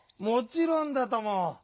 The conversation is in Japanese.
もちろんだとも！